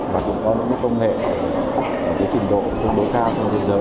và cũng có những công nghệ ở trình độ đối cao trên thế giới khi mà chúng ta mở rộng chúng ta tham